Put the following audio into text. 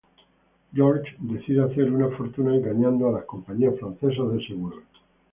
Georges decide hacer una fortuna engañando a las compañías francesas de seguros.